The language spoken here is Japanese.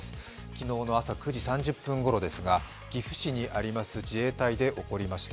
昨日の朝９時３０分ごろですが岐阜市にある自衛隊で起こりました。